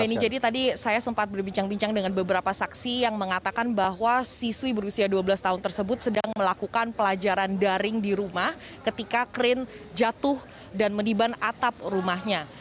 ya ini jadi tadi saya sempat berbincang bincang dengan beberapa saksi yang mengatakan bahwa siswi berusia dua belas tahun tersebut sedang melakukan pelajaran daring di rumah ketika krin jatuh dan meniban atap rumahnya